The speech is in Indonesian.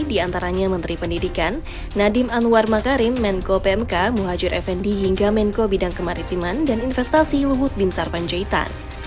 di antaranya menteri pendidikan nadiem anwar makarim menko pmk muhajir effendi hingga menko bidang kemaritiman dan investasi luhut bin sarpanjaitan